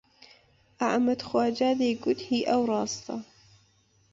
ئەحمەد خواجا دەیگوت هی ئەو ڕاستە